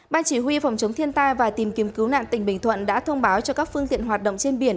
ban chỉ huy phòng chống thiên tai và tìm kiếm cứu nạn tỉnh bình thuận đã thông báo cho các phương tiện hoạt động trên biển